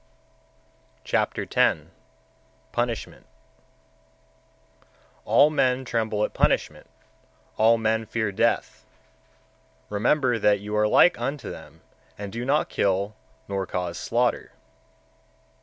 Chapter X. Punishment 129. All men tremble at punishment, all men fear death; remember that you are like unto them, and do not kill, nor cause slaughter.